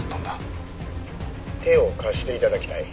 手を貸していただきたい。